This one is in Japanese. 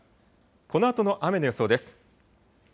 このあとの雨の予想です。